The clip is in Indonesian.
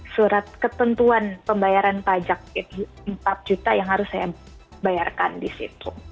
surat ketentuan pembayaran pajak empat juta yang harus saya bayarkan di situ